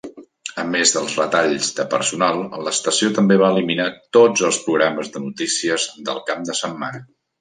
A més dels retalls de personal, l'estació també va eliminar tots els programes de notícies del cap de setmana.